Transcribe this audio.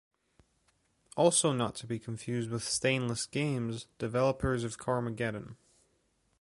Also not to be confused with Stainless Games, developers of Carmageddon.